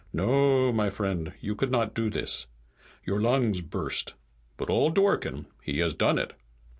No, my vriend, you could not do this. Your lungs burst. But old Dworken, he has done it.